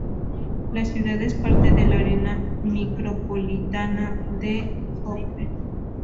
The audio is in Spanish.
La ciudad es parte del área micropolitana de Hope.